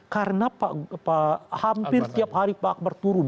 karena hampir tiap hari pak akbar turun